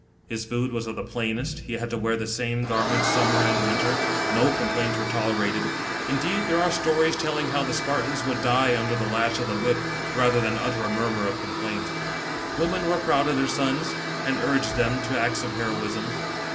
His food was of the plainest ; he had to wear the same garment summer and winter ; no complaints were tolerated. Indeed there are stories telling how the Spartan boys, would die under the lash of tl.9 whip, rather than utter a murmur of com plaint. Women were" proud of their sons, ai'id urged them to acts of heroism.